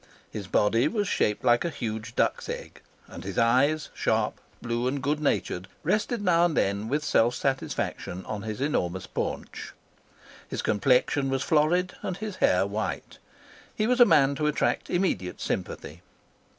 His body was shaped like a huge duck's egg; and his eyes, sharp, blue, and good natured, rested now and then with self satisfaction on his enormous paunch. His complexion was florid and his hair white. He was a man to attract immediate sympathy.